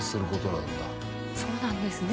そうなんですね。